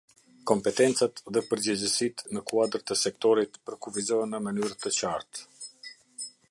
Kompetencat dhe përgjegjësitë në kuadër të sektorit përkufizohen në mënyrë të qartë.